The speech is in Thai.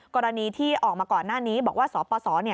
กรณีที่ออกมาก่อนหน้านี้บอกว่าสปส